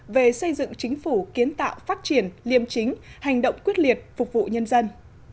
về xây dựng chính phủ kiến tạo phát triển liêm chính hành động quyết liệt phục vụ nhân dân